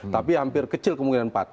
tapi hampir kecil kemungkinan empat